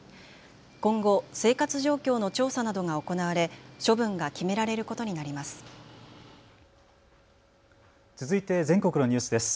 今後、生活状況の調査などが行われ処分が決められることになります。